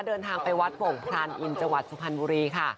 เดินทางไปวัดโป่งพรานอินจังหวัดสุพรรณบุรีค่ะ